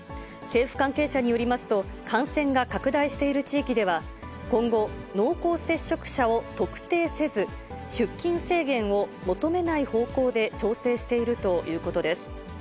政府関係者によりますと、感染が拡大している地域では、今後、濃厚接触者を特定せず、出勤制限を求めない方向で調整しているということです。